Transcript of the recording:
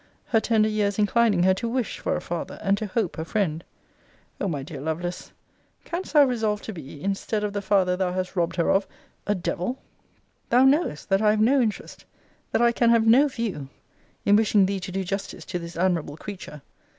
her tender years inclining her to wish for a father, and to hope a friend. O my dear Lovelace, canst thou resolve to be, instead of the father thou hast robbed her of, a devil? * See Letter XXI. of this volume. Thou knowest, that I have no interest, that I can have no view, in wishing thee to do justice to this admirable creature.